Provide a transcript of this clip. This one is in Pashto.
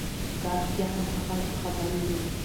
دا رښتیا هم هغه خبرې وې